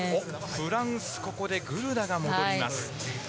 フランスここでグルダが戻ります。